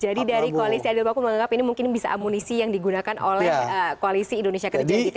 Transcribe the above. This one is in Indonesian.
jadi dari koalisi adil baku menganggap ini mungkin bisa amunisi yang digunakan oleh koalisi indonesia kerja